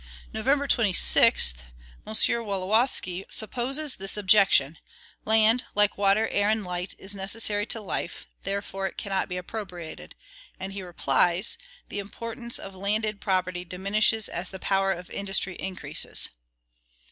November 26. M. Wolowski supposes this objection: Land, like water, air, and light, is necessary to life, therefore it cannot be appropriated; and he replies: The importance of landed property diminishes as the power of industry increases.